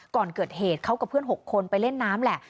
ก่อนเกิดเหตุเขากับเพื่อน๖คนไปเล่นน้ำแหละ